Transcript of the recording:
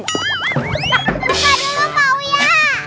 lupa dulu pak wuyah